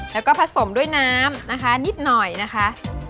แล้วก็ผสมด้วยน้ำนะคะนิดหน่อยนะคะ